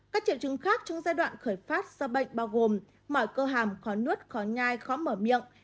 các triệu chứng khác trong giai đoạn khởi phát do bệnh bao gồm mọi cơ hàm khó nuốt khó nhai khó mở miệng